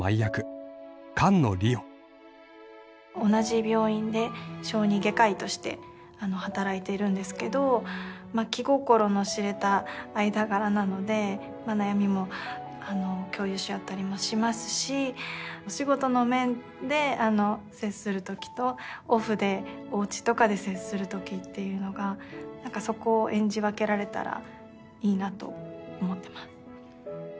同じ病院で小児外科医として働いているんですけど気心の知れた間柄なので悩みも共有し合ったりもしますしお仕事の面で接するときとオフでおうちとかで接するときっていうのがそこを演じ分けられたらいいなと思ってます。